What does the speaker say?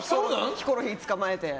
ヒコロヒーつかまえて。